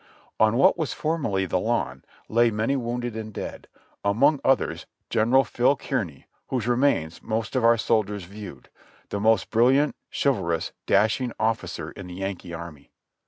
On what was formerly the lawn lay many wounded and dead ; among others General Phil. Kearny, whose remains most of our soldiers viewed — the most brilliant, chivalrous, dashing officer in the Yankee Army.